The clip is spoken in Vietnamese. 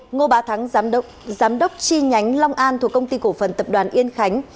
ngô bá thắng giám đốc chi nhánh long an thuộc công ty cổ phần tập đoàn yên khánh